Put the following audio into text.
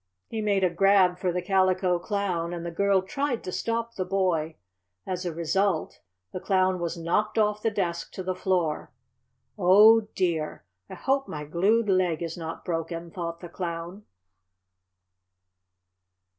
He made a grab for the Calico Clown, and the girl tried to stop the boy. As a result the Clown was knocked off the desk to the floor. "Oh, dear! I hope my glued leg is not broken!" thought the Clown.